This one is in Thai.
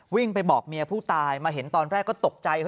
วิ่งไปบอกเมียผู้ตายมาเห็นตอนแรกก็ตกใจ